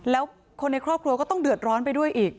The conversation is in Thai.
แล้วคนในครอบครัวก็ต้องเดือดร้อนไปด้วยอีก